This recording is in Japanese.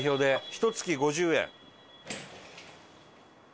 ひとつき５０円。